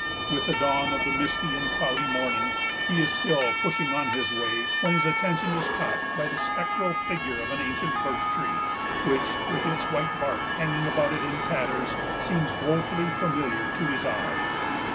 With the dawn of the misty and cloudy morning, he is still pushing on his way, when his attention is caught by the spectral figure of an ancient birch tree, which, with its white bark hanging about it in tatters, seems wofully familiar to his eye.